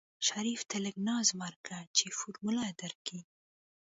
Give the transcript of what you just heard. شريف ته لږ ناز ورکه چې فارموله درکي.